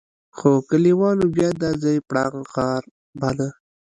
خو کليوالو بيا دا ځای پړانګ غار باله.